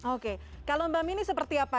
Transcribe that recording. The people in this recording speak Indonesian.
oke kalau mbak mini seperti apa